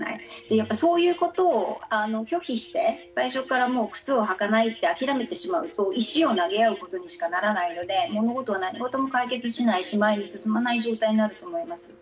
やっぱりそういうことを拒否して最初からもう靴を履かないって諦めてしまうと石を投げ合うことにしかならないので物事は何事も解決しないし前に進まない状態になると思います。